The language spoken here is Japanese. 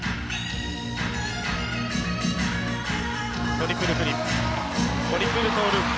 トリプルフリップトリプルトウループ。